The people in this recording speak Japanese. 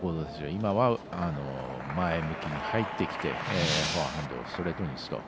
今は前向きに入ってきてフォアハンドをストレートに打つと。